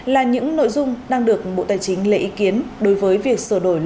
là những nội dung đang được bộ tài chính lấy ý kiến đối với việc sửa đổi